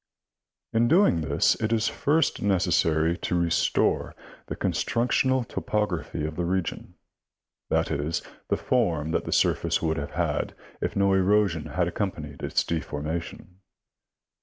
In doing this, it is first necessary to restore the constructional topography of the region ; that is, the form that the sui'face would have had if no erosion had accompanied its deformation.